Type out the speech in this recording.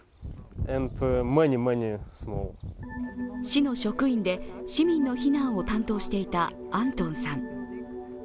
市の職員で市民の避難を担当していたアントンさん。